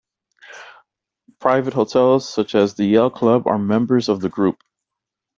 Private hotels, such as the Yale Club, are members of the group.